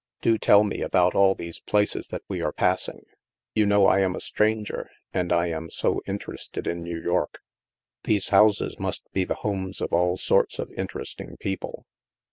Do tell me about all these places that we are passing. You know I am a stranger, and I am so interested in New York. These houses must be the homes of all sorts of interesting people."